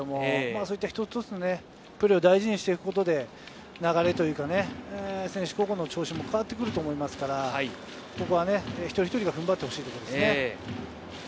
そういった一つ一つのプレーを大事にしていくことで、流れというか、選手個々の調子も変わってくると思いますから、一人一人が踏ん張ってほしいですね。